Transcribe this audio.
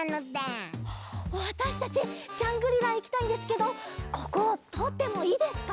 わたしたちジャングリラいきたいんですけどこことおってもいいですか？